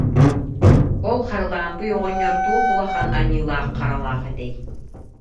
Ол Харылаампый оҕонньор туох улахан аньыы- лаах-харалаах этэй